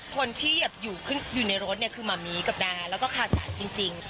คนที่อยู่ในรถเนี่ยคือหมามี่กับดาแล้วก็คาสันจริง